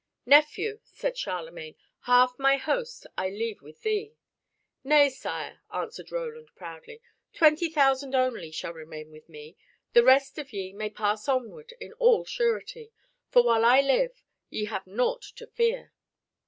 "Nephew," said Charlemagne, "half my host I leave with thee." "Nay, Sire," answered Roland proudly, "twenty thousand only shall remain with me. The rest of ye may pass onward in all surety, for while I live ye have naught to fear."